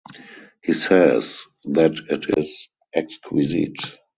He says that it is exquisite.